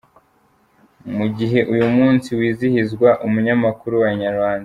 Mu gihe uyu munsi wizihizwa, umunyamakuru wa Inyarwanda.